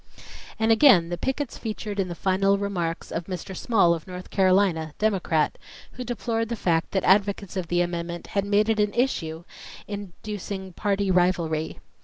And again the pickets featured in the final remarks of Mr. Small of North Carolina, Democrat, who deplored the fact that advocates of the amendment had made it an issue inducing party rivalry.